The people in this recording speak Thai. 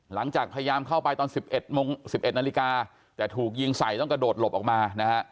หลังจากพยายามเข้าไปตอน๑๑โมง๑๑นาฬิกาแต่ถูกยิงใส่ต้องกระโดดหลบออกมานะฮะ